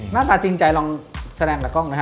หน้าตาจริงใจลองแสดงกับกล้องนะฮะ